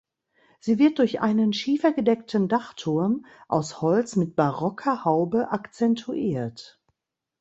Sie wird durch einen schiefergedeckten Dachturm aus Holz mit barocker Haube akzentuiert.